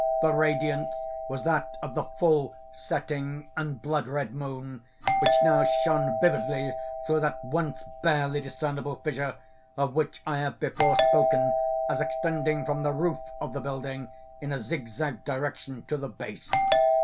The radiance was that of the full, setting, and blood red moon, which now shone vividly through that once barely discernible fissure, of which I have before spoken as extending from the roof of the building, in a zigzag direction, to the base.